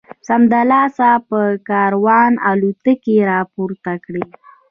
سمدلاسه پر کاروان الوتکې را پورته کړي.